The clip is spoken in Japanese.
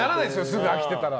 すぐに飽きたら。